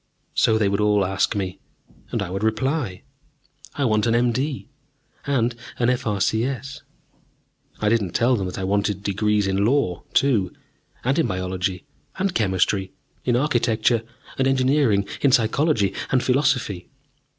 So they would all ask me. And I would reply; "I want an M.D. and an F.R.C.S." I didn't tell them that I wanted degrees in Law, too, and in Biology and Chemistry, in Architecture and Engineering, in Psychology and Philosophy.